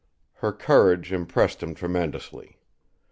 Her courage impressed him tremendously.